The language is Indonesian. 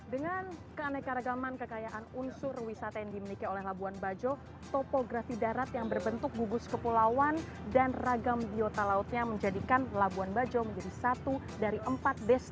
dengan keanekaragaman kekayaan unsur wisata yang dimiliki oleh labuan bajo topografi darat yang berbentuk gugus kepulauan dan ragam biota lautnya menjadikan labuan bajo menjadi satu dari empat desa